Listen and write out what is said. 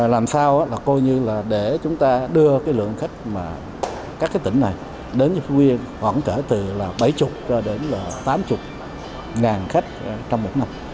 làm sao để chúng ta đưa lượng khách các tỉnh này đến phú yên khoảng bảy mươi tám mươi khách trong một năm